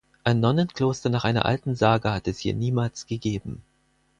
Ein Nonnenkloster nach einer alten Sage hat es hier niemals gegeben.